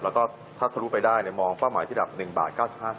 แล้วก็ถ้าทะลุไปได้เนี่ยมองเป้าหมายที่ระดับ๑บาท๙๕สตาร์ท